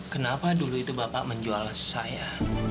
kenapa dulu itu bapak menjual saya